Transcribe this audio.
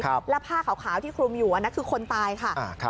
และผ้าขาวที่คลุมอยู่คือคนตายคะ